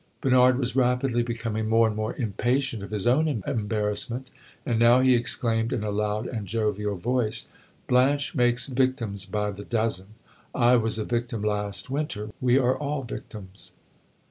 Bernard was rapidly becoming more and more impatient of his own embarrassment, and now he exclaimed, in a loud and jovial voice "Blanche makes victims by the dozen! I was a victim last winter; we are all victims!"